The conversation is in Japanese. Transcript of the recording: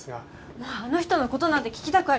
もうあの人の事なんて聞きたくありません！